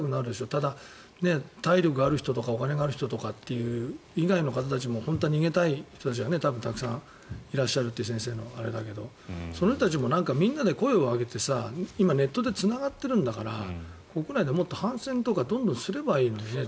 ただ、体力がある人とかお金がある人とかという以外の人たちも本当は逃げたい人たちはたくさんいらっしゃるという先生のあれだけどその人たちもみんなで声を上げて今、ネットでつながっているんだから国内でもっと反戦とかどんどんすればいいのにね。